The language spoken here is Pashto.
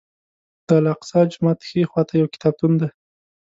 د الاقصی جومات ښي خوا ته یو کتابتون دی.